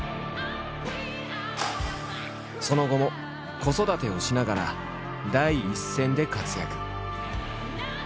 その後も子育てをしながら第一線で活躍。